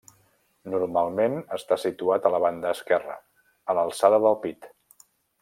Normalment està situat a la banda esquerra, a l'alçada del pit.